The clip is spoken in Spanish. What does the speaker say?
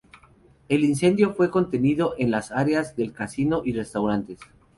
El incendio fue contenido en las áreas del casino y restaurantes.